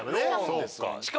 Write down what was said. そうか。